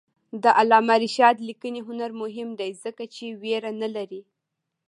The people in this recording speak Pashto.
د علامه رشاد لیکنی هنر مهم دی ځکه چې ویره نه لري.